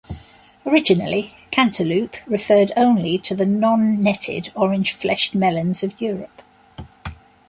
Originally, "cantaloupe" referred only to the non-netted, orange-fleshed melons of Europe.